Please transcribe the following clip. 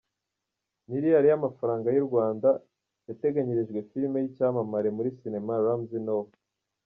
Miliyari y’amafaranga y’u Rwanda yateganyirijwe Filime y’icyamamare muri sinema Ramsey Nouah.